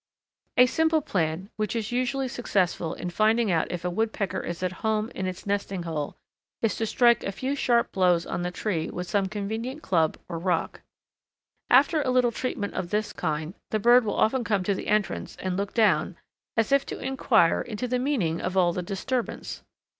A simple plan, which is usually successful in finding out if a Woodpecker is at home in its nesting hole, is to strike a few sharp blows on the tree with some convenient club or rock. After a little treatment of this kind the bird will often come to the entrance and look down, as if to inquire into the meaning of all the disturbance.